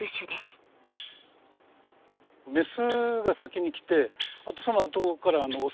メスが先に来てそのあとからオス。